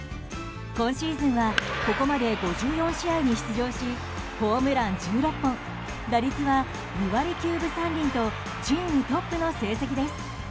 今シーズンはここまで５４試合に出場しホームラン１６本打率は２割９分３厘とチームトップの成績です。